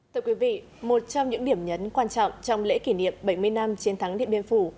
thưa quý vị một trong những điểm nhấn quan trọng trong lễ kỷ niệm bảy mươi năm chiến thắng điện biên phủ